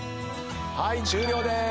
はい終了です。